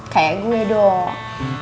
kayak gue dong